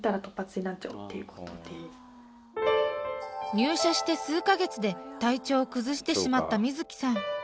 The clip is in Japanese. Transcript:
入社して数か月で体調を崩してしまった瑞樹さん。